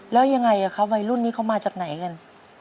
แล้วยังไงครับวัยรุ่นนี้เขามาจากไหนกัน